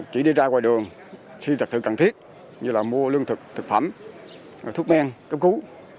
chỉ đi ra ngoài đường khi thật sự cần thiết như là mua lương thực thực phẩm thuốc men cấp cứu